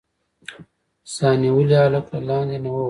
سا نيولي هلک له لاندې نه وويل.